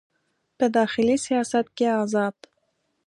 په داخلي سیاست کې ازاد